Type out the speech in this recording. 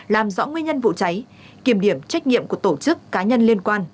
làm rõ nguyên nhân vụ cháy kiểm điểm trách nhiệm của tổ chức cá nhân liên quan